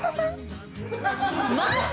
マジ！？